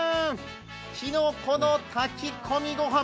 きのこの炊き込みご飯。